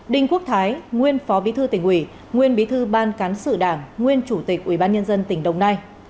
đình quốc thái nguyên phó bí thư tỉnh uỷ nguyên bí thư ban cán sự đảng nguyên chủ tịch uỷ ban nhân dân tỉnh đồng nai